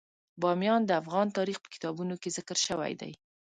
بامیان د افغان تاریخ په کتابونو کې ذکر شوی دي.